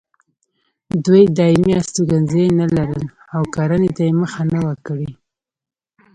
دوی دایمي استوګنځي نه لرل او کرنې ته یې مخه نه وه کړې.